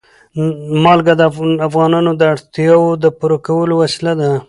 نمک د افغانانو د اړتیاوو د پوره کولو وسیله ده.